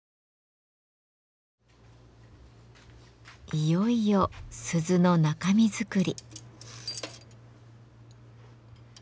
いよいよ鈴の中身作り。